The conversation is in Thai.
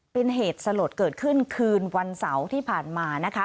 เป็นเหตุสลดเกิดขึ้นคืนวันเสาร์ที่ผ่านมานะคะ